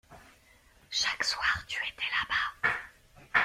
Chaque soir, tu étais là-bas.